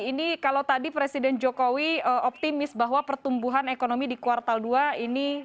ini kalau tadi presiden jokowi optimis bahwa pertumbuhan ekonomi di kuartal dua ini